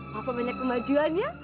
papa banyak kemajuan ya